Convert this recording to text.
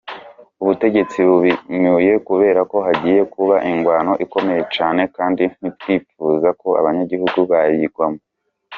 Ubutegetsi bubimuye kuberako hagiye kuba ingwano ikomeye cane kandi ntitwipfuza ko abanyagihugu bayigwamwo.